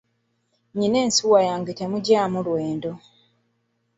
Nina ensuwa yange temugyamu lwendo.